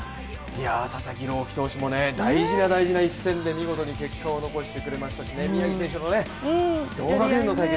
佐々木朗希投手も大事な大事な一戦で見事に結果を残してくれましたし、宮城選手との、同学年の対決。